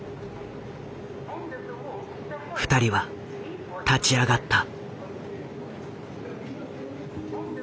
２人は立ち上がった。